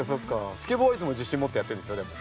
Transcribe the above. スケボーはいつも自信持ってやってるんでしょでも。